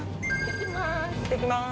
いってきます。